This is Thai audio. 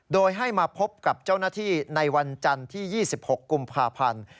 โดยให้มาพบกับเจ้าหน้าที่ในวันจันทร์ที่๒๖กุมภาพันธ์